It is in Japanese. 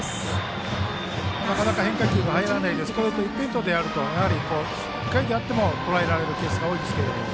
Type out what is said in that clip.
なかなか変化球が入らないでストレート一辺倒だと、やはり１回であっても、とらえられるケースが多いですけども。